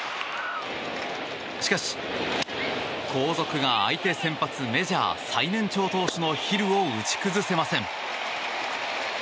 しかし、後続が相手先発メジャー最年長投手のヒルを打ち崩せません。